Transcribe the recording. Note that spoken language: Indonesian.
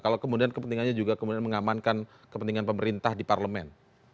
kalau kemudian kepentingannya juga kemudian mengamankan kepentingan pemerintah di parlemen